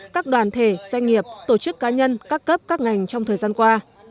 các đoàn thể doanh nghiệp tổ chức cá nhân các cấp các ngành trong thời gian qua